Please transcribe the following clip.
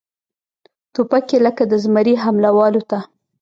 توپ یې لکه د زمري حمله والوته